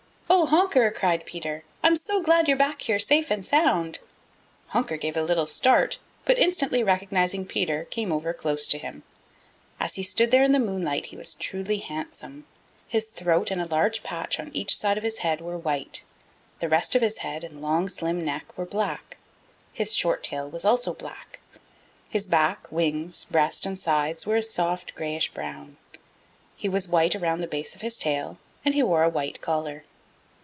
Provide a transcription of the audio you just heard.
"Oh, Honker," cried Peter, "I'm so glad you're back here safe and sound." Honker gave a little start, but instantly recognizing Peter, came over close to him. As he stood there in the moonlight he was truly handsome. His throat and a large patch on each side of his head were white. The rest of his head and long, slim neck were black. His short tail was also black. His back, wings, breast and sides were a soft grayish brown. He was white around the base of his tail and he wore a white collar.